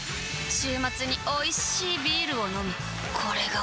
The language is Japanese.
週末においしいビールを飲むあたまらんっ